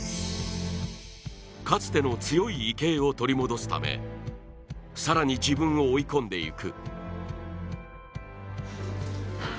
かつての強い池江を取り戻すため更に、自分を追い込んでいく。